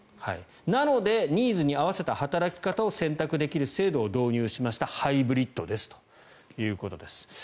なのでニーズに合わせた働き方を選択できる制度を導入しましたハイブリッドですということです。